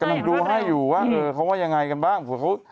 เดี๋ยวกินดูให้อยู่ว่าเออเขาว่ายังไงกันบ้าง